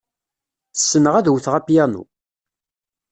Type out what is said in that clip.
Ssneɣ ad wteɣ apyanu.